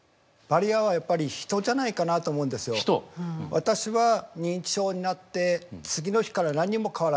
私は認知症になって次の日から何にも変わらない。